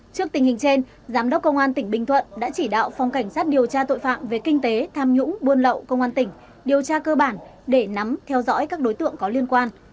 trước tình hình trên giám đốc công an tỉnh bình thuận đã chỉ đạo phòng cảnh sát điều tra tội phạm về kinh tế tham nhũng buôn lậu công an tỉnh điều tra cơ bản để nắm theo dõi các đối tượng có liên quan